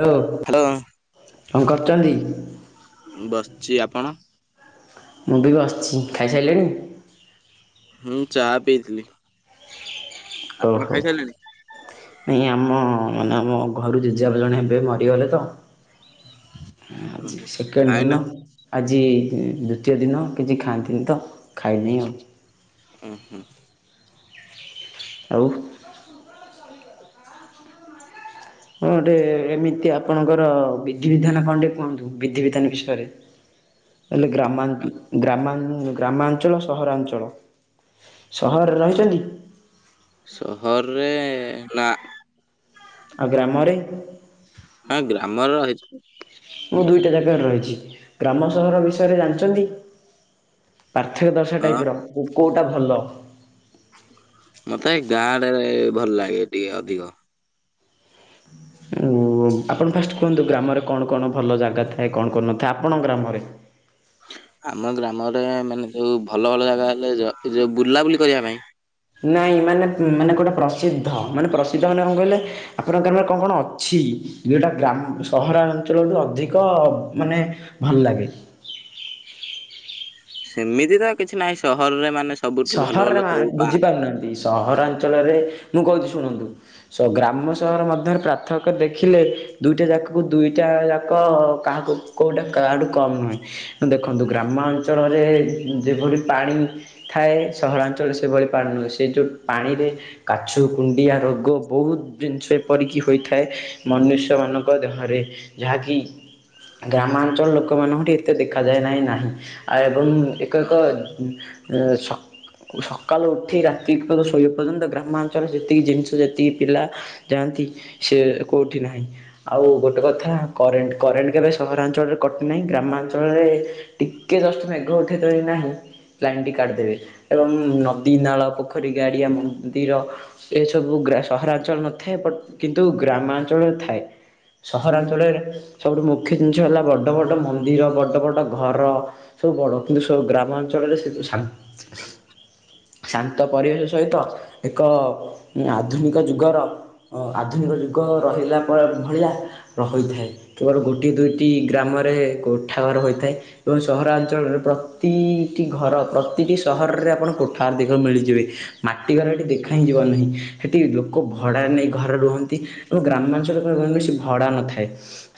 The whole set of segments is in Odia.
ହାଲୋ ହ୍ୟାଲୋ କଣ କରୁଛନ୍ତି? ମୁଁ ବସିଛି ଆପଣ? ମୁଁ ବି ବସିଛି ଖାଇସାଇଲେଣି? ମୁଁ ଚା ପିଇଥିଲି। ଆପଣ ଓହୋ। ଖାଇସାରିଲେଣି? ଏଇ ଆମ ମାନେ ଆମ ଘରୁ ଜେଜେବାପା ଜଣେ ହେବେ ମରିଗଲେ ତ। ଆଜି ଓହୋ ସେକେଣ୍ଡ ଖାଇନା ଦିନ। ଆଜି ଦ୍ଵିତୀୟ ଦିନ କିଛି ଖାଆନ୍ତିନି ତ ଖାଇନେଇ ଆଉ। ହୁଁ ହୁଁ। ଆଉ। ହଁ ଗୋଟେ ଏମିତି ଆପଣଙ୍କର ବିଧିବିଧାନ କଣଟେ କୁହନ୍ତୁ ବିଧିବିଧାନ ବିଷୟରେ। ହେଲେ ଗ୍ରାମା ଗ୍ରାମାନୁ ଗ୍ରାମାଞ୍ଚଳ ସହରାଞ୍ଚଳ ସହରରେ ରହିଛନ୍ତି? ସହହରରେ ନା। ଆଉ ଗ୍ରାମରେ? ହଁ ଗ୍ରାମରେ ରହିଛୁ। ମୁଁ ଦୁଇଟା ଜାଗାରେ ରହିଛି ଗ୍ରାମ ସହର ବିଷୟରେ ଜାଣିଛନ୍ତି? ପାର୍ଥକ୍ୟ ଦର୍ଶା ହଁ ଟାଇପ୍ ର କୁ କୋଉଟା ଭଲ? ମତେ ଗାଁଡ଼ରେ ଭଲ ଲାଗେ ଟିକେ ଅଧିକ। ଉ-ଉ-ଉ ଆପଣ ଫାଷ୍ଟ କୁହନ୍ତୁ ଗ୍ରାମରେ କଣ କଣ ଭଲ ଜାଗା ଥାଏ, କଣ କଣ ନଥାଏ ଆପଣଙ୍କ ଗ୍ରାମରେ? ଆମ ଗ୍ରାମରେ ମାନେ ଯୋଉ ଭଲ ଭଲ ଜାଗା [unintelligible] ଯ ଯୋଉ ବୁଲାବୁଲି କରିବା ପାଇଁ। ନାଇଁ ମାନେ ମାନେ କୋଉଟା ପ୍ରସିଦ୍ଧ ମାନେ ପ୍ରସିଦ୍ଧ ମାନେ କଣ କହିଲେ ଆପଣଙ୍କ ଗ୍ରାମରେ କଣ କଣ ଅଛି ଯୋଉଟା ଗ୍ରା ସହରାଞ୍ଚଳରୁୁ ଅଧିକ ମାନେ ଭଲ ଲାଗେ? ସେମିତି ତ କିଛି ନାହିଁ ସହରରେ ମାନେ ସବୁଠୁ ଭଲ ଭଲ ସହରରେ ମା ସବୁ ପା ବୁଝିପାରୁନାହାନ୍ତି ସହରାଞ୍ଚଳରେ, ମୁଁ କହୁଛି ଶୁଣନ୍ତୁ ସ ଗ୍ରାମ ସହର ମଧ୍ୟରେ ପ୍ରାର୍ଥକ୍ୟ ଦେଖିଲେ ଦୁଇଟା ଯାକକୁ ଦୁଇଟା ଯାକ କାହାକୁ କୋଉଟା କାହାଠୁ କମ୍ ନୁହେଁ। ଦେଖନ୍ତୁ ଗ୍ରାମାଞ୍ଚଳରେ ଯେଭଳି ପାଣି ଥାଏ ସହରାଞ୍ଚଳରେ ସେଭଳି ପାଣି ନୁହେଁ। ସେ ଯେଉଁ ପାଣିରେ କାଛୁ, କୁଣ୍ଡିଆ ରୋଗ ବହୁତ ଜିନିଷ ଏପରିକି ହୋଇଥା ଥାଏ ମନୁଷ୍ୟମାନଙ୍କ ଦେହରେ ଯାହାକି ଗ୍ରାମାଞ୍ଚଳ ଲୋକମାନଙ୍କଠି ଏତେ ଦେଖାଯାଏ ନାହିଁ ନାହିଁ ଆ ଏବଂ ଏକ ଏକ ଉ-ଉ-ଉ ଅ ସ ସକାଳୁ ଉଠି ରାତିକ ଶୋଇବା ପର୍ଯ୍ୟନ୍ତ ଗ୍ରାମାଞ୍ଚଳରେ ଯେତିକି ଜିନିଷ ଯେତିକି ପିଲା ଯାଆନ୍ତି ସିଏ କୋଉଠି ନାହିଁ। ଆଉ ଗୋଟେ କଥା କରେଣ୍ଟ କରେଣ୍ଟ କେବେ ସହରାଞ୍ଚଳରେ କଟିନାହିଁ। ଗ୍ରାମାଞ୍ଚଳରେ ଟିକେ ଜଷ୍ଟ ମେଘ ଉଠେଇ ଥିବ କି ନାହିଁ ଲାଇନ ଟି କାଟି ଦେବେ ଏବଂ ନଦୀ, ନାଳ, ପୋଖରୀ, ଗାଡ଼ିଆ, ମ-ମ ମନ୍ଦିର ସେ ସବୁ ଗ୍ରା ସହରାଞ୍ଚଳ ନଥାଏ ବଟ୍ କିନ୍ତୁ ଗ୍ରାମାଞ୍ଚଳରେ ଥାଏ। ସହରାଞ୍ଚଳରେ ସବୁଠୁ ମୁଖ୍ୟ ଜିନିଷ ହେଲା ବଡ ବଡ, ମନ୍ଦିର ବଡ ବଡ ଘର। ସବୁ ବଡ଼ କିନ୍ତୁ ସବୁ ଗ୍ରାମାଞ୍ଚଳରେ ସେତୁ ସାନ୍ତ୍ ଶାନ୍ତ ପରିବେଶ ସହିତ ଏକ ଆଧୁନିକ ଯୁଗର ଅ ଆଧୁନିକ ଯୁଗ ରହିଲା ପ ଭଳିଆ ହୋଇଥାଏ। କୁଆଡୁ ଗୋଟିଏ ଦୁଇଟି ଗ୍ରାମରେ କୋଠାଘର ହୋଇଥାଏ। ଏବଂ ସହରାଞ୍ଚଳରେ ପ୍ରତିଟି ଘର ପ୍ରତିଟି ସହରରେ ଆପଣ କୋଠା ଦେଖିବା ମିଳିଯିବେ। ମାଟି ଘର ଏଠି ଦେଖା ହିଁ ଯିବ ନାହିଁ। ସେଠି ଲୋକ ଭଡା ନେଇ ଘରେ ରୁହନ୍ତି। ଏବଂ ଗ୍ରାମାଞ୍ଚଳରେ କହିବାକୁ ଗଲେ ବେସି ଭଡା ନଥାଏ।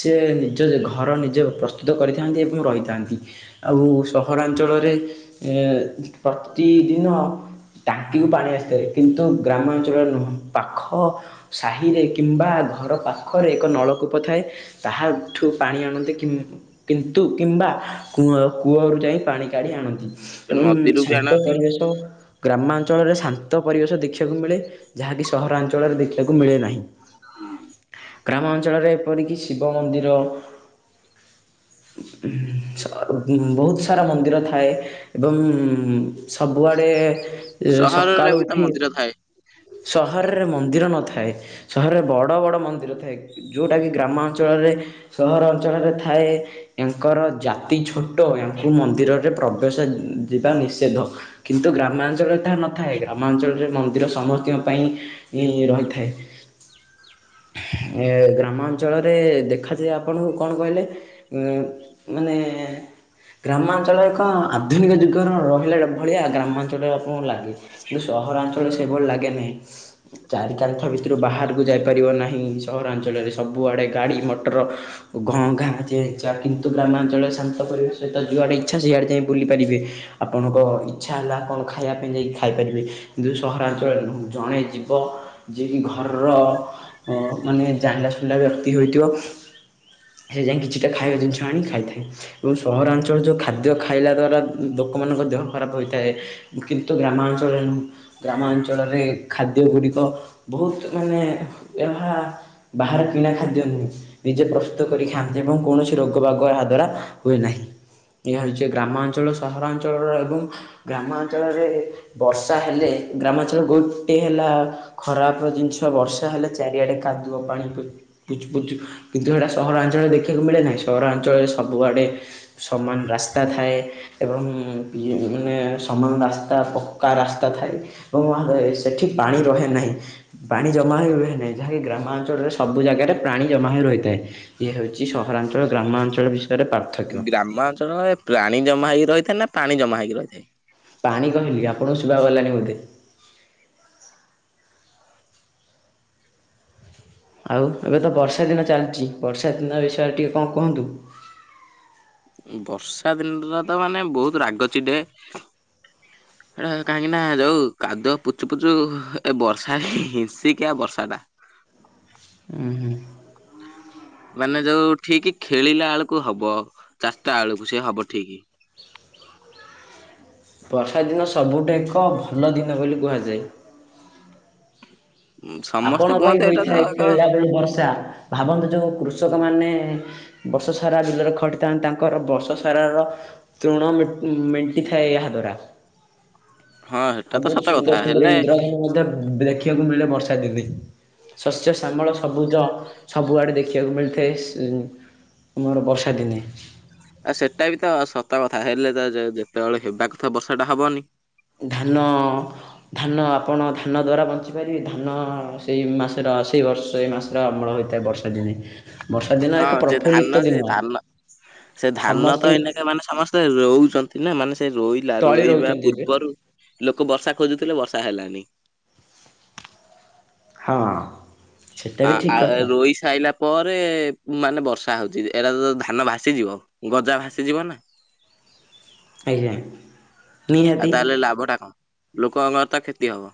ସିଏ ନିଜ ଘର ନିଜେ ପ୍ରସ୍ତୁତ କରିଥାନ୍ତି ଏବଂ ରହିଥାନ୍ତି। ଆଉ ସହରାଞ୍ଚଳରେ ଏଁ ପ୍ରତିଦିନ ଟାଙ୍କିକୁ ପାଣି ଆସିଥାଏ କିନ୍ତୁ ଗ୍ରାମାଞ୍ଚଳରେ ନୁହ ପାଖ ସାହିରେ କିମ୍ବା ଘର ପାଖରେ ଏକ ନଳକୂପ ଥାଏ। ତାହାଠୁ ପାଣି ଆଣନ୍ତି କିମ୍ କିନ୍ତୁ କିମ୍ବା କୂଅ କୂଅରୁ ଯାଇ ପାଣି କାଢ଼ି ଆଣନ୍ତି। ଏବଂ ନଦୀରୁ ବି ଶାନ୍ତ ଆଣନ୍ତି ପରିବେଶ ଗ୍ରାମାଞ୍ଚଳରେ ଶାନ୍ତ ପରିବେଶ ଦେଖିବାକୁ ମିଳେ। ଯାହାକି ସହରାଞ୍ଚଳରେ ଦେଖିବାକୁ ମିଳେ ନାହିଁ। ହୁଁ ଗ୍ରାମାଞ୍ଚଳରେ ଏପରିକି ଶିବ ମନ୍ଦିର [unintelligible] ବହୁତ ସାରା ମନ୍ଦିର ଥାଏ। ଏବଂ-ମ୍-ମ୍ ସବୁଆଡେ ୟ ସହରରେ ସକାଳୁ ବି ତ ଉଠି ମନ୍ଦିର ଥାଏ। ସହରରେ ମନ୍ଦିର ନଥାଏ। ସହରରେ ବଡ଼ ବଡ଼ ମନ୍ଦିର ଥାଏ। ଯୋଉଟାକି ଗ୍ରାମାଞ୍ଚଳରେ, ସହର ଅଞ୍ଚଳରେ ଥାଏ। ଏଙ୍କର ଜାତି ଛୋଟ ୟାଙ୍କୁ ମନ୍ଦିରରେ ପ୍ରବେଶ ଯିବା ନିଷେଧ। କିନ୍ତୁ ଗ୍ରାମାଞ୍ଚଳରେ ତାହା ନଥାଏ। ଗ୍ରାମାଞ୍ଚଳରେ ମନ୍ଦିର ସମସ୍ତିଙ୍କ ପାଇଁ ଇ-ଇ-ଇ-ଇ ରହିଥାଏ। ଏ-ଏ-ଏ-ଏ ଗ୍ରାମାଞ୍ଚଳରେ ଦେଖାଯାଏ ଆପଣଙ୍କୁ କଣ କହିଲେ ଉ-ଉ-ଉ-ଉ ମାନେ-ଏ-ଏ-ଏ ଗ୍ରାମାଞ୍ଚଳରେ କଣ ଆଧୁନିକ ଯୁଗର ରହିଲା ଭଳିଆ ଗ୍ରାମାଞ୍ଚଳରେ ଆପଣଙ୍କୁ ଲାଗେ। କିନ୍ତୁ ସହରାଞ୍ଚଳରେ ସେଭଳି ଲାଗେନାହିଁ। ଚାରି କାନ୍ଥ ଭିତରୁ ବାହାରକୁ ଯାଇପାରିବ ନାହିଁ ସହରାଞ୍ଚଳରେ ସବୁଆଡ଼େ ଗାଡ଼ି ମଟର ଘ ଘାଁ ଚେ ଚାଁ କିନ୍ତୁ ଗ୍ରାମାଞ୍ଚଳରେ ଶାନ୍ତ ପରିବେଶ ସହିତ ଯୁଆଡ଼େ ଇଚ୍ଛା ସେଇଆଡ ଯାଇଁ ବୁଲିପାରିବେ ଆପଣକ ଇଚ୍ଛା ହେଲା କଣ ଖାଇବା ପାଇଁ ଯାଇକି ଖାଇପାରିବେ। କିନ୍ତୁ ସହରାଞ୍ଚଳରେ ନୁହଁ ଜଣେ ଯିବ ଯିଏକି ଘରର ମାନେ ଜାଣିଲା ଶୁଣିଲା ବ୍ୟକ୍ତି ହୋଇଥିବ। ସେ ଯାଇ କିଛିଟା ଖାଇବା ଜିନିଷ ଆଣି ଖାଇଥାଏ ଏବଂ ସହରାଞ୍ଚଳରେ ଯେଉଁ ଖାଦ୍ୟ ଖା ଖାଇଲା ଦ୍ୱାରା ଲୋକମାନଙ୍କ ଦେହ ଖରାପ ହୋଇଥାଏ କିନ୍ତୁ ଗ୍ରାମାଞ୍ଚଳରେ ନୁହଁ। ଗ୍ରାମାଞ୍ଚଳରେ ଖାଦ୍ୟ ଗୁଡିକ ବହୁତ ମାନେ ଏହା ବାହାର କିଣା ଖାଦ୍ୟ ନୁହେଁ। ନିଜେ ପ୍ରସ୍ତୁତ କରି ଖାଆନ୍ତି ଏବଂ କୌଣସି ରୋଗ ବାଗ ଏହାଦ୍ୱାରା ହୁଏ ନାହିଁ ଏହା ହଉଛି ଏକ ଗ୍ରାମାଞ୍ଚଳ ସହରାଞ୍ଚଳର ଏବଂ ଗ୍ରାମାଞ୍ଚଳରେ ବର୍ଷା ହେଲେ ଗ୍ରାମାଞ୍ଚଳ ଗୋଟେଏ ହେଲା ଖରାପ ଜିନିଷ ବର୍ଷା ହେଲେ ଚାରିଆଡେ କାଦୁଅ ପାଣି ପି ପୁଚୁ ପୁଚୁ କିନ୍ତୁ ସେଇଟା ସହରାଞ୍ଚଳରେ ଦେଖିବାକୁ ମିଳେ ନାହିଁ ସହରାଞ୍ଚଳରେ ସବୁଆଡ଼େ। ସମାନ ରାସ୍ତା ରାସ୍ତା ଥାଏ ଏବଂ ମାନେ ସମାନ ରାସ୍ତା ପକ୍କା ରାସ୍ତା ଥାଏ। ଏବଂ ଆହେ ସେଠି ପାଣି ରହେ ନାହିଁ। ବାଣି ଜମା ହୋଇ ରୁହେ ନାହିଁ ଯାହାକି ଗ୍ରାମାଞ୍ଚଳରେ ସବୁ ଜାଗାରେ ପ୍ରାଣି ଜମା ହୋଇ ରହିଥାଏ। ଇଏ ହେଉଛି ସହରାଞ୍ଚଳ ଗ୍ରାମାଞ୍ଚଳ ବିଷୟରେ ପାର୍ଥକ୍ୟ। ଗ୍ରାମାଞ୍ଚଳଏ ପ୍ରାଣି ଜମା ହେକି ରହିଥାଏ ନା ପାଣି ଜମା ହେଇକି ରହିଥାଏ? ପାଣି କହିଲି ଆପଣଙ୍କୁ ସୁବା ଗଲାନି ବୋଧେ। ଆଉ ଏବେ ତ ବର୍ଷା ଦିନ ଚାଲିଛି ବର୍ଷା ଦିନ ବିଷୟରେ ଟିକେ କଣ କୁହନ୍ତୁ? ବର୍ଷା ଦିନରା ତ ମାନେ ବହୁତ ରାଗ ଚିଡ଼େ। [inaudible] ହେଟା କାହିଁକି ନା ଯଉଁ କାଦୁଅ ପୁଚୁ ପୁଚୁ ଏ ବର୍ଷାରେ ହିଂସିକିଆ ବର୍ଷାଟା। ଉୁଁ ହୁଁ। ମାନେ ଯୋଉ ଠିକ୍ ଖେଳିଲା ବେଳକୁ ହବ ଚାଟା ବେଳକୁ ସେ ହବ ଠିକ୍ ବର୍ଷା ଦିନ ସବୁଠେଏକ ଭଲ ଦିନ ବୋଲି କୁହାଯାଏ। ସମସ୍ତେ ଆପଣଙ୍କ ପାଇଁ କୁହନ୍ତି ଏଇଟା ତ ହୋଇଥାଏ ଏକ ଖେଳିଲା ବେଳେ ବର୍ଷା ଭାବନ୍ତୁ ଯୋଉ କୃଷକ ମାନେ ବର୍ଷ ସାରା ବିଲରେ ଖଟିଥାନ୍ତି ତାଙ୍କର ବର୍ଷସାରାର। ତୃଣ ମେଣ୍ଟ ମେଣ୍ଟିଥାଏ ଏହା ଦ୍ୱାରା। ହଁ ହେଟା ଆଉ ତ ବହୁତ ସତ କଥା ସୁନ୍ଦର ସୁନ୍ଦର ହେଲେ ଇନ୍ଦ୍ରଧନୁ ମଧ୍ୟ ଦେଖିବାକୁ ମିଳେ ବର୍ଷା। [inaudible] ଶସ୍ୟ ଶାମଳ ସବୁଜ ସବୁଆଡେ ଦେଖିବାକୁ ମିଳିଥାଏ ଉ ସେ ଅମର ବର୍ଷା ଦିନେ। ଆ ସେଟା ବି ତ ସତ କଥା ହେଲେ ତ ଯେତେବେଳେ ହେବା କଥା ବର୍ଷା ଟା ହବନି। ଧାନ ଅ ଧାନ ଆପଣ ଧାନ ଦ୍ୱାରା ବଞ୍ଚିପାରିବେ ଧାନ ସେଇ ମାସର ସେଇ ବର୍ଷ ଏ ମାସ ଅମଳ ହୋଇଥାଏ ବର୍ଷା ଦିନେ। ବର୍ଷା ଦିନ ହଁ ଏକ ଯେ ଧାନ ପ୍ରଫୁଲ୍ଲିତ ଯେ ଦିନ ଧାନ ଧାନ ତ ସମସ୍ତିଙ୍ ସେ ଏଇନାକେ ମାନେ ସମସ୍ତେ ରହୁଛନ୍ତି ନା ମାନେ ସେ ରୋଇଲା ତଳେ ରୋଇବା ରହୁଛନ୍ତି ଏବେ ପୂର୍ବରୁ ଲୋକ ବର୍ଷା ଖୋଜୁଥିଲେ ବର୍ଷା ହେଲାନି। ହଁ। ସେଟା ଆ ବି ଠିକ୍ ଅଁ କଥା ରୋଇସା ସାଇଲା ପରେ ମାନେ ବର୍ଷା ହଉଛି ଏଟା ତ ଧାନ ଭାସିଯିବ ଗଜା ଭାସିଯିବ ନା? ଆଜ୍ଞା। ଆଉ ନିହାତି ତାହେଲେ ଲାଭ ଟା କଣ ଲୋକଙ୍କର ତ କ୍ଷତି ହବ।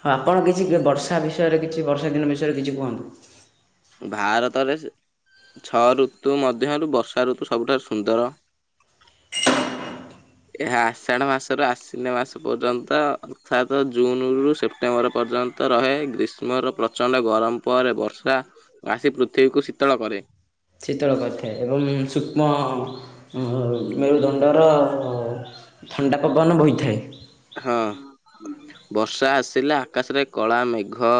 ହଁ ଆପଣ କିଛି ବର୍ଷା ବିଷୟରେ କିଛି ବର୍ଷା ଦିନ ବିଷୟରେ କିଛି କୁହନ୍ତୁ। ଭାରତରେ ଛଅ ଋତୁ ମଧ୍ୟରୁ, ବର୍ଷା ଋତୁ ସବୁଠାରୁ ସୁନ୍ଦର। ଏହା ଆଷାଢ ମାସର ଆସୀନ ମାସ ପର୍ଯ୍ୟନ୍ତ ଅର୍ଥାତ ଜୁନ୍ ରୁ ସେପ୍ଟେମ୍ବର ପର୍ଯ୍ୟନ୍ତ ତ ରହେ। ଗ୍ରୀଷ୍ମର ପ୍ରଚଣ୍ଡ ଗରମ ପରେ ବର୍ଷା ଆସି ପୃଥିବୀକୁ ଶୀତଳ କରେ। ଶୀତଳ କରିଥାଏ ଏବଂ ସୂକ୍ଷ୍ମ ମେରୁଦଣ୍ଡର ଥଣ୍ଡା ପବାନ ବହିଥାଏ। ହଁ ବର୍ଷା ଆସିଲା ଆକାଶରେ କଳା ମେଘ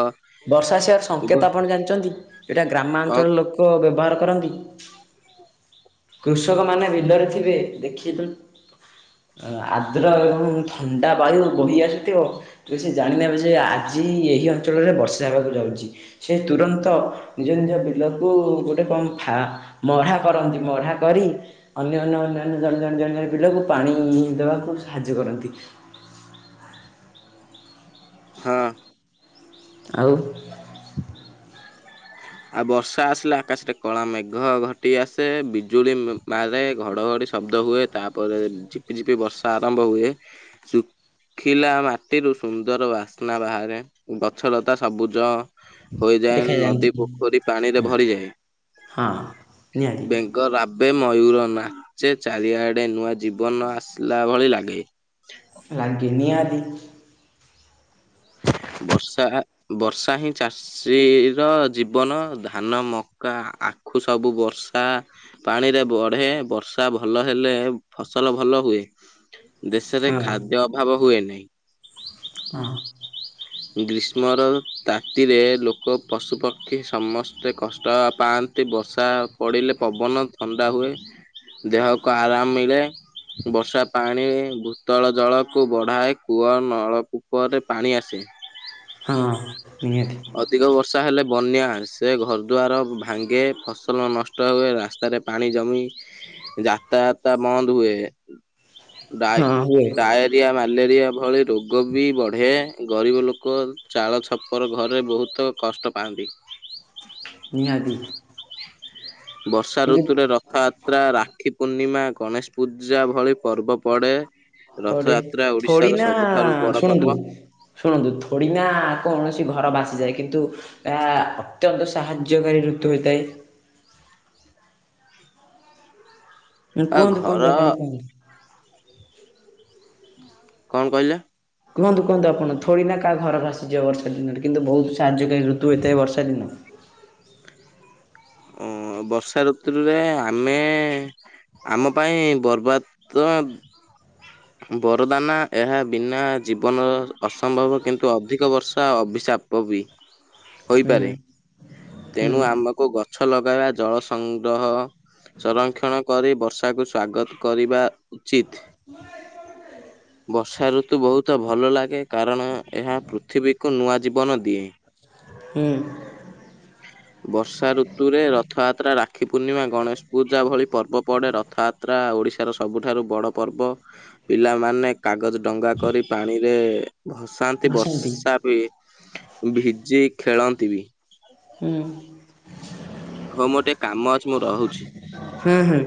ବର୍ଷା ଆସିବାର ଘୋ- ସଙ୍କେତ ଆପଣ ଜାଣିଛନ୍ତି? ଏଇଟା କଣ ଗ୍ରାମାଞ୍ଚଳର ଲୋକ ବ୍ୟବହାର କରନ୍ତି। କୃଷକମାନେ ବିଲରେ ଥିବେ ଦେଖିଲୁ ଆଦ୍ର ଏବଂ ଥଣ୍ଡା ବାୟୁ ବହି ଆସିଥିବ। ତୁ ସେ ଜାଣିନେବେ ଯେ ଆଜି ଏହି ଅଞ୍ଚଳରେ ବର୍ଷା ହେବାକୁ ଯାଉଛି। ସେ ତୁରନ୍ତ ନିଜ ନିଜ ବିଲକୁ ଗୋଟେ କଣ ଫା ମହା କରନ୍ତି। ମହା କରି ଅନ୍ୟ ଅନ୍ୟ ଅନ୍ୟାନ୍ୟ ଜଣେ ଜଣେ ଜଣେ ଜଣ ପିଲାକୁ ପାଣି ଦେବାକୁ ସାହାଯ୍ୟ କରନ୍ତି। ହଁ। ଆଉ [unintelligible] ଆଉ ବର୍ଷା ଆସିଲା ଆକାଶରେ କଳା ମେଘ ଘୋଟି ଆସେ ବିଜୁଳି ମାରେ। ଘଡଘଡି ଶବ୍ଦ ହୁଏ। ତାପରେ ଝିପି ଝିପି ବର୍ଷା ଆରମ୍ଭ ହୁଏ ଖିଲା ମାଟିରୁ ସୁନ୍ଦର ବାସ୍ନା ବାହାରେ ଗଛଲତା ସବୁଜ। ହୋଇଯାଏ ଦେଖାଯାଆନ୍ତି। ନଦୀ ପୋଖରୀ ପାଣିରେ ଭରିଯାଏ। ହଁ ନିହାତି ବେନ୍ ରାବେ, ମୟୂର ନାଚେ, ଚାରିଆଡେ ନୂଆ ଜୀବନ ଆସିଲା ଭଳି ଲାଗେ। ଲାଗେ ନି ଆଜି ବର୍ଷା ବର୍ଷା ହିଁ ଚାଷ ଶ୍ରି ର ଜୀବନ ଧାନ, ମକା, ଆଖୁ, ସବୁ ବର୍ଷା ପାଣିରେ ବଢ଼େ ବର୍ଷା ଭଲ ହେଲେ ଫସଲ ଭଲ ହୁଏ। ଦେସେରେ ହଁ। ଖାଦ୍ୟ ଅଭାବ ହୁଏନି। ହଁ, ହଁ। ଗ୍ରୀଷ୍ମର ତାତିରେ ଲୋକ ପଶୁପକ୍ଷୀ ସମସ୍ତେ କଷ୍ଟ ପାଆ କି ବର୍ଷା ପଡିଲେ ପବନ ଥଣ୍ଡା ହୁଏ। ଦେହକୁ ଆରାମ ମିଳେ। ବର୍ଷା ପାଣି ଘୁ ଭୂତଳ ଜଳକୁ ବଢ଼ାଏ। କୂଅ ନଳକୂପରେ ପାଣି ଆସେ। ହଁ ନିହାତି। ଅଧିକ ବର୍ଷା ହେଲେ ବନ୍ୟା ସେ ଘରଦୁଆାର ଭାଙ୍ଗେ, ଫସଲ ନଷ୍ଟ ହୁଏ ରାସ୍ତାରେ ପାଣି ଜମି, ଯାତାୟାତା ବନ୍ଦ ହୁଏ। ଡା ହଁ ହୁଏ ଡାୟଟ। ରିଆ, ମାଲେରିଆ ମାଲେରିଆ ଭଳି ରୋଗ ବି ବଢେ, ଗରିବ ଲୋକ ଚାଳ ଛପର ଘରେ ରେ ବହୁତ କଷ୍ଟ ପାଆନ୍ତି। ନିହାତି। ବର୍ଷା କିନ୍ତୁ ଋତୁରେ ରକ୍ ରଥଯାତ୍ରା, ରାକ୍ଷୀ ପୂର୍ଣ୍ଣିମା, ଗଣେଶ ପୂଜା ଭଳି ପର୍ବ ପଡେ। ପଡେ, ଥୋଡିନା ବଡ଼ ପର୍ବ ଶୁଣନ୍ତୁ ଶୁଣନ୍ତୁ ଥୋଡ଼ିନା କୌଣସି ଘର ବାସିଯାଏ କିନ୍ତୁ ଏହା ଅତ୍ୟନ୍ତ ସାହାଯ୍ୟକାରୀ ଋତୁ ହୋଇଥାଏ। ଆ କୁହନ୍ତୁ ଘର କୁହନ୍ତୁ, ଆପଣ କୁହନ୍ତୁ? କଣ କହିଲେ? କୁହନ୍ତୁ କୁହନ୍ତୁ ଆପଣ? ଥୋଡ଼ିନା କାହା ଘର ଭାସିଯିବ ବର୍ଷା ଦିନରେ? କିନ୍ତୁ ବହୁତ ସାହାଯ୍ୟକାରୀ ଋତୁ ହୋଇଥାଏ ବର୍ଷା ଦିନ। ଓଁ ବର୍ଷା ଋତୁରେ ଆମେ ଆମ ପାଇଁ ବର୍ବାଦ ତ ବରଦାନା ଏହା ବିନା ଜୀବନ ଅସମ୍ଭବ କିନ୍ତୁ ଅଧିକ ବର୍ଷା ଅଭିଶାପ କୋବି ହୁଁ ହୋଇପାରେ ହୁଁ ତେଣୁ ଆମକୁ ଗ ଗଛ ଲଗାଇବା ଜଳ ସଂଗ୍ରହ, ସଂରକ୍ଷଣ କରି ବର୍ଷାକୁ ସ୍ଵାଗତ କରିବା ଉଚିତ୍। [unintelligible] ବର୍ଷା ଋତୁ ବହୁତ ଭଲ ଲାଗେ କାରଣ ଏହା ପୃଥିବୀକୁ ନୂଆ ଜୀବନ ଦିଏ। ହୁଁ। [inaudible] ବର୍ଷା ଋତୁରେ ରଥଯାତ୍ରା, ରାକ୍ଷୀ ପୂର୍ଣ୍ଣିମା ଗଣେଶ ପୂଜା ଭଳି ପର୍ବ ପଡ଼େ ରଥଯା ତ୍ରା ଓଡ଼ିଶାର ସବୁଠାରୁ ବଡ଼ ପର୍ବ। ପିଲାମାନେ କାଗଜ ଡଙ୍ଗା କରି ପାଣିରେ ଭସାନ୍ତି ଭାସନ୍ତି ବର୍ଷା ବି ଭିଜି ଖେଳନ୍ତି ବି। ହୁଁ ହଁ ମୋର ଟିକେ କାମ ଅଛି ମୁଁ ରହୁଛି। ହୁଁ ହୁଁ।